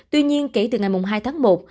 tuy nhiên kể từ ngày hai tháng một